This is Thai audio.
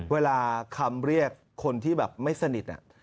เวลาคำเรียกคนที่แบบไม่สนิท